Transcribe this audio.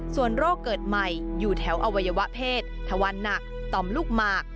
ส่วนโรคเกิดใหม่อยู่แถวอวัยวะเพศทวันหนักต่อมลูกหมาก